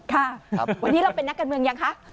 ค่ะวันนี้เราเป็นนักการเมืองยังคะ